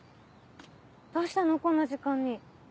どうしたのこんな時間に。